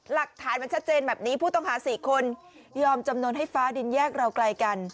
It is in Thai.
หลักฐานมันชัดเจนแบบนี้ผู้ต้องหา๔คนยอมจำนวนให้ฟ้าดินแยกเราไกลกัน